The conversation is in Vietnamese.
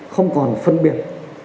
không còn phân biệt